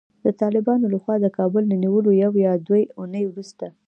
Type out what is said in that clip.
د طالبانو له خوا د کابل له نیولو یوه یا دوې اوونۍ وروسته